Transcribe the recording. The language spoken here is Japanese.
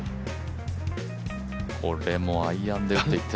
これもアイアンで打っていって。